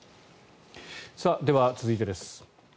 では、続いてです。